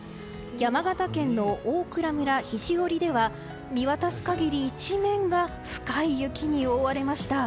山形県の大蔵村肘折では見渡す限り一面が深い雪に覆われました。